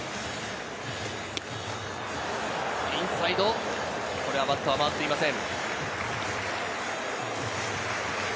インサイド、バットは回っていません。